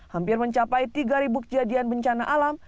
hampir mencapai tiga kejadian bencana alam